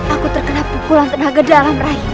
aku terkena pukulan tenaga dalam rahim